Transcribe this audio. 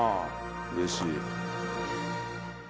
うれしい。